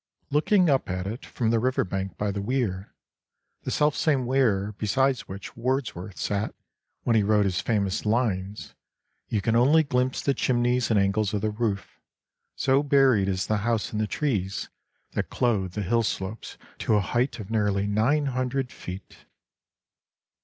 Looking up at it from the river bank by the weir (the self same weir beside which Wordsworth sat when he wrote his famous "Lines"), you can only glimpse the chimneys and angles of the roof, so buried is the house in the trees that clothe the hill slopes to a height of nearly nine hundred feet.